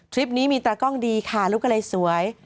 คลิปนี้มีตากล้องดีค่ะลูกก็เลยสวย